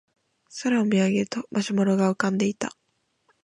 空を見上げるとマシュマロが浮かんでいた